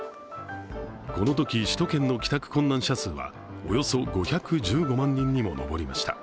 このとき首都圏の帰宅困難者数はおよそ５１５万人にも上りました。